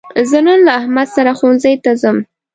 زه نن له احمد سره ښوونځي ته ځم.